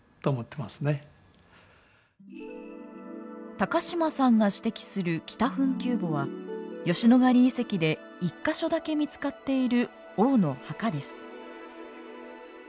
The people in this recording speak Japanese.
高島さんが指摘する北墳丘墓は吉野ヶ里遺跡で１か所だけ見つかっている王の墓です。